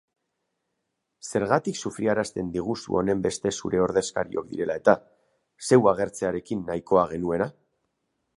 Zergatik sufriarazten diguzu honenbeste zure ordezkariok direla-eta, zeu agertzearekin nahikoa genuela?